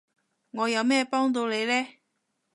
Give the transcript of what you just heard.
我有咩幫到你呢？